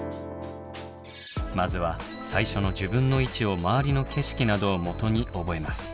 まずは最初の自分の位置を周りの景色などをもとに覚えます。